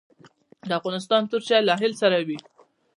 د افغانستان تور چای له هل سره وي